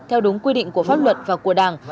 theo đúng quy định của pháp luật và của đảng